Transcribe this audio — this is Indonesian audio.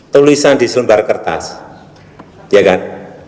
tulisan di selembar kertas ya kan